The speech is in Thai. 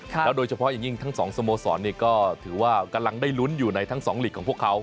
แล้วโดยเฉพาะอย่างยิ่งทั้งสองสโมสรก็ถือว่ากำลังได้ลุ้นอยู่ในทั้งสองหลีกของพวกเขา